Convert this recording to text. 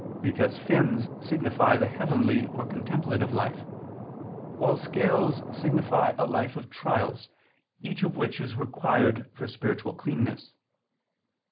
Because fins signify the heavenly or contemplative life; while scales signify a life of trials, each of which is required for spiritual cleanness.